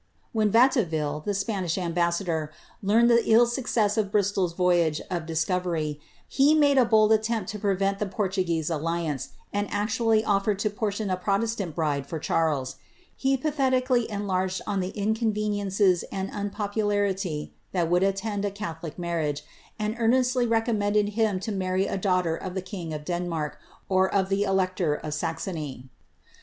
When Vatteville, the Spanish ambassador, learned the ill success of Bristol's voyage of discovery, he made a bold attempt to prevent the 'ilufobic^raphy of Clarendon. 'Clarendon; Liogard. CATHARINE OF BRAOANIA. 207 Portngraese alliance, and actually oflered to portion a protestant bride for Charles. He pathetically enlarged on the inconveniences and un popalarity that would attend a catholic marriage, and earnestly recom mended him to marry a daughter of the king of Denmark, or of the elector of Saxony.